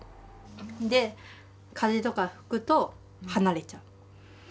で風とか吹くと離れちゃう。